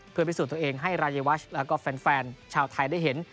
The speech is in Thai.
เพื่อพิสูจน์ตัวเองให้รายวัชแล้วก็แฟนชาวไทยได้เห็น